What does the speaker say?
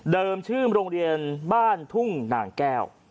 ชื่อโรงเรียนบ้านทุ่งนางแก้ว